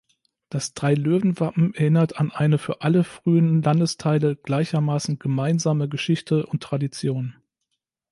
Das Drei-Löwen-Wappen erinnert an eine für alle früheren Landesteile gleichermaßen gemeinsame Geschichte und Tradition.